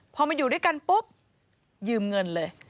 พอมาอยู่ด้วยกันปุ๊บยืมเงินเลย